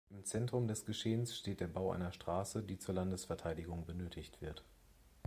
Im Zentrum des Geschehens steht der Bau einer Straße, die zur Landesverteidigung benötigt wird.